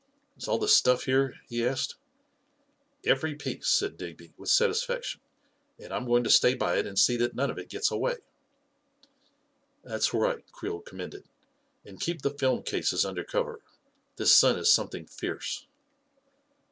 44 Is all the stuff here ?" he asked. 44 Every piece," said Digby, with satisfaction ; 44 and I'm going to stay by it and see that none of u rgets away." A KING IN BABYLON 101 "That's right," Creel commended; "and keep the film cases under cover. This sun is something fierce."